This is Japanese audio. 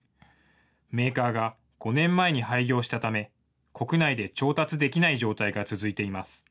メーカーが５年前に廃業したため、国内で調達できない状態が続いています。